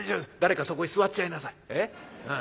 誰かそこへ座っちゃいなさい。